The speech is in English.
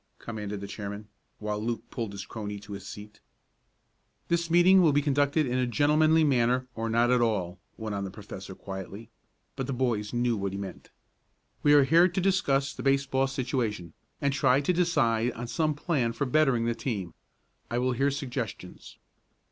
commanded the chairman, while Luke pulled his crony to his seat. "This meeting will be conducted in a gentlemanly manner, or not at all," went on the professor quietly; but the boys knew what he meant. "We are here to discuss the baseball situation, and try to decide on some plan for bettering the team. I will hear suggestions."